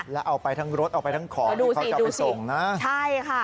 แล้วเอาไปทั้งรถเอาไปทั้งของที่เขาจะไปส่งนะใช่ค่ะ